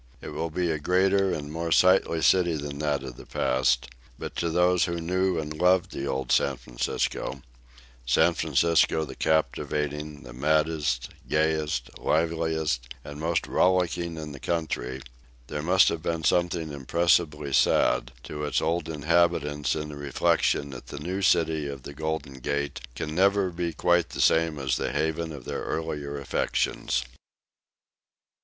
It will be a greater and more sightly city than that of the past, but to those who knew and loved the old San Francisco San Francisco the captivating, the maddest, gayest, liveliest and most rollicking in the country there must be something impressibly sad to its old inhabitants in the reflection that the new city of the Golden Gate can never be quite the same as the haven of their early affections.